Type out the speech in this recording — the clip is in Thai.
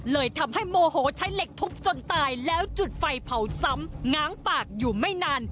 เลยทำให้โมโหใช้เหล็กทุบจนตายแล้วจุดไฟเผาซ้ำง้างปากอยู่ไม่นาน